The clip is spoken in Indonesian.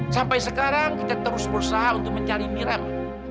sampai sekarang kita terus berusaha untuk mencari mira ma